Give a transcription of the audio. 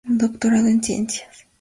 Doctorado en Ciencias.